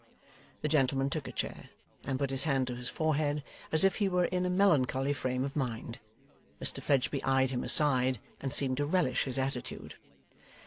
The gentleman took a chair, and put his hand to his forehead, as if he were in a melancholy frame of mind. Mr Fledgeby eyed him aside, and seemed to relish his attitude.